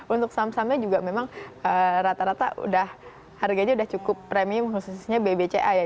untuk saham sahamnya juga memang rata rata udah harganya sudah cukup premium khususnya bbca ya